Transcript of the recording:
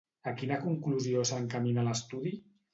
A quina conclusió s'encamina l'estudi?